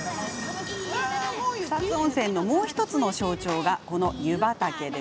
草津温泉のもう１つの象徴がこの湯畑。